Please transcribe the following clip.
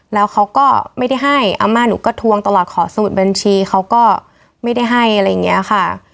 แล้วเขาก็ไม่ได้ให้อาม่าหนูก็ทวงตลอดขอสมุดบัญชีเขาก็ไม่ได้ให้อะไรอย่างนี้ค่ะ